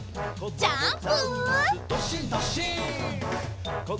ジャンプ！